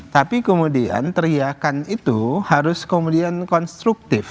tapi kemudian teriakan itu harus kemudian konstruktif